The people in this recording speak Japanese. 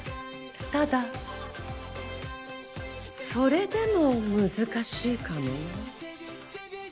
ただそれでも難しいかもよ。